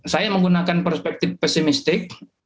saya menggunakan perspektif pessimistik